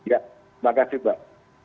ya makasih mbak